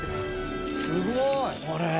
すごい！これ。